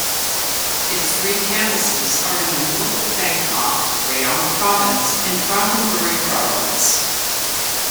Its three campuses are in the North of Bangkok, Rayong province and Prachinburi province.